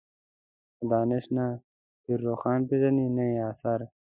خو دانش نه پير روښان پېژني نه يې عصر.